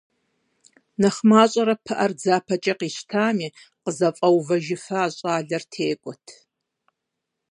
Нэхъ мащӀэрэ пыӀэр дзапэкӀэ къищтами, къызэфӀэувэжыфа щӀалэр текӀуэрт.